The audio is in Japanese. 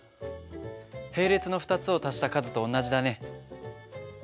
並列の２つを足した数と同じだね。